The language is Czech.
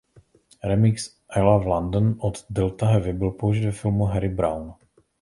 Remix „I Love London“ od Delta Heavy byl použit ve filmu "Harry Brown".